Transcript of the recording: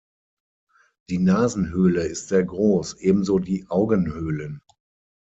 Die Nasenhöhle ist sehr groß, ebenso die Augenhöhlen.